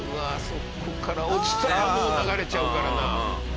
そこから落ちたらもう流れちゃうからな。